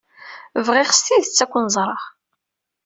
Bɣiɣ s tidet ad ken-ẓreɣ.